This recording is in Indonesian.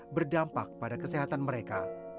ini juga menampak pada kesehatan mereka